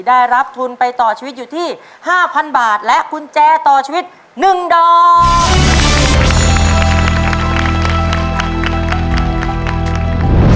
ได้รับทุนไปต่อชีวิตอยู่ที่๕๐๐บาทและกุญแจต่อชีวิต๑ดอก